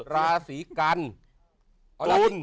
ลาสีกันตุล